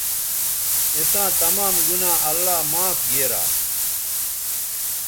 اِساں تمام گنا اللہ معاف گیرا